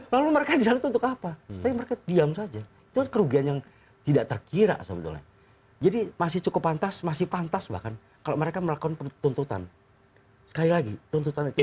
lalu mereka jalan itu untuk apa tapi mereka diam saja itu kerugian yang tidak terkira sebetulnya jadi masih cukup pantas masih pantas bahkan kalau mereka melakukan pertuntutan sekali lagi tuntutan itu